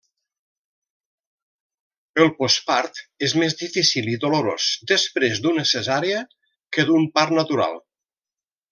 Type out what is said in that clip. El postpart és més difícil i dolorós després d'una cesària que d'un part natural.